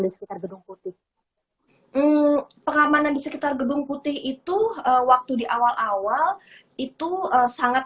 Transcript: di sekitar gedung putih pengamanan di sekitar gedung putih itu waktu di awal awal itu sangat